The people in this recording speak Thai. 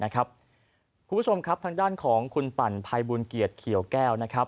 คู่ผู้ชมทางด้านของคุณปั่นพายบูลเกียจเขียวแก้ว